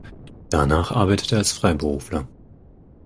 Danach arbeitete er als Freiberufler.